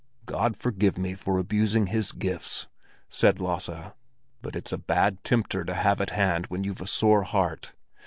"God forgive me for abusing his gifts!" said Lasse; "but it's a bad tempter to have at hand when you've a sore heart.